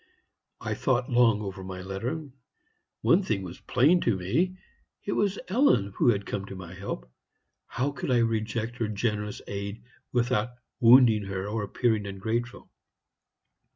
"I thought long over my letter. One thing was plain to me it was Ellen who had come to my help. How could I reject her generous aid without wounding her or appearing ungrateful?